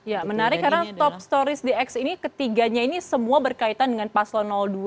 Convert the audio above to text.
ya menarik karena top stories the x ini ketiganya ini semua berkaitan dengan paslon dua